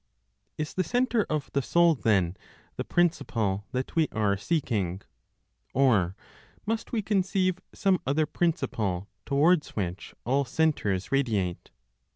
Is the centre of the soul then the principle that we are seeking? Or must we conceive some other principle towards which all centres radiate?